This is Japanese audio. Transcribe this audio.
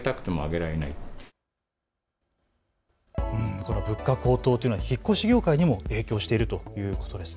この物価高騰というのは引っ越し業界にも影響しているということですね。